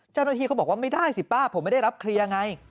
เจ้าหน้าที่เขาบอกว่าไม่ได้สิป้าผมไม่ได้รับเคลียร์ไง